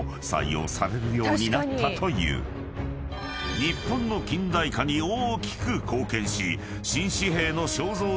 ［日本の近代化に大きく貢献し］